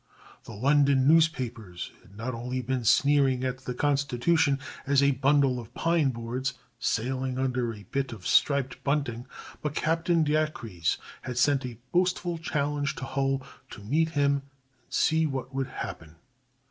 The London newspapers had not only been sneering at the Constitution as "a bundle of pine boards sailing under a bit of striped bunting," but Captain Dacres had sent a boastful challenge to Hull to meet him and see what would happen.